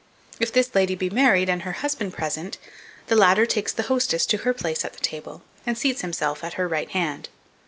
If this lady be married and her husband present, the latter takes the hostess to her place at table, and seats himself at her right hand.